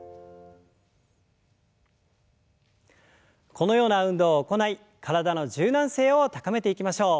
このような運動を行い体の柔軟性を高めていきましょう。